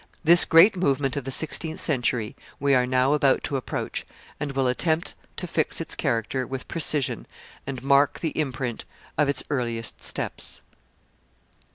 This great movement of the sixteenth century we are now about to approach, and will attempt to fix its character with precision and mark the imprint of its earliest steps.